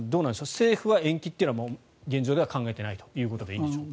政府は延期は現状では考えてないということでいいんでしょうか。